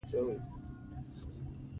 ازادي راډیو د عدالت بدلونونه څارلي.